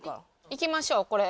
いきましょうこれ。